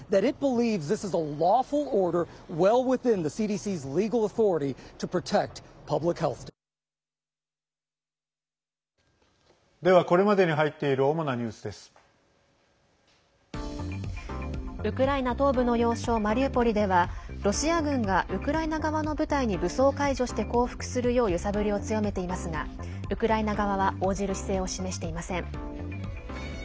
ウクライナ東部の要衝マリウポリではロシア軍がウクライナ側の部隊に武装解除して降伏するよう揺さぶりを強めていますがウクライナ側は応じる姿勢を示していません。